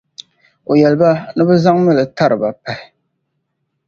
o yɛli ba ni bɛ zaŋm’ li tari ba pahi.